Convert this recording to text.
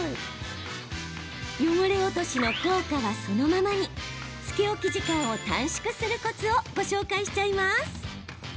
汚れ落としの効果はそのままにつけ置き時間を短縮するコツをご紹介しちゃいます。